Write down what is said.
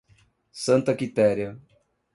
Santa Quitéria